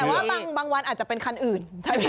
แต่ว่าบางวันอาจจะเป็นคันอื่น